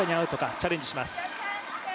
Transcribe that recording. チャレンジします。